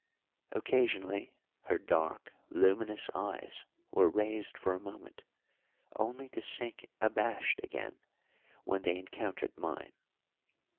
Occasionally her dark, luminous eyes were raised for a moment, only to sink abashed again when they encountered mine.